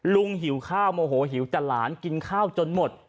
หิวข้าวโมโหหิวแต่หลานกินข้าวจนหมด